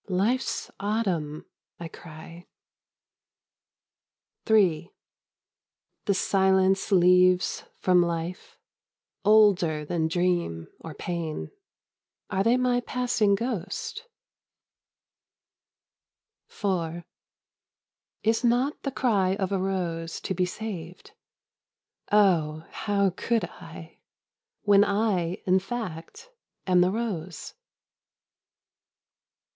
Life's autumn,'* I cry, III The silence leaves from Life, Older than dream or pain, — Are they my passing ghost ? 124 lapanese Hokkiis IV Is it not the cry of a rose to be saved ? Oh, how could I When I, in fact, am the rose